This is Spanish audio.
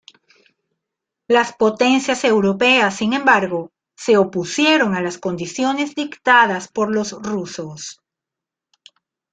Las potencias europeas, sin embargo, se opusieron a las condiciones dictadas por los rusos.